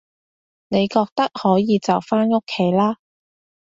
你覺得可以就返屋企啦